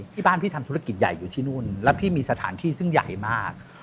ที่บ้านพี่ทำธุรกิจใหญ่อยู่ที่นู่นแล้วพี่มีสถานที่ซึ่งใหญ่มาก